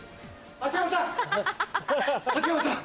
秋山さん！